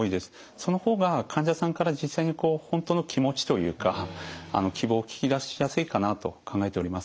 その方が患者さんから実際に本当の気持ちというか希望を聞き出しやすいかなと考えております。